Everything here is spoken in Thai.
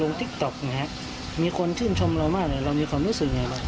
ลงอะไรครับมีคนชื่นชมเรามากเลยเรามีความรู้สึกยังไง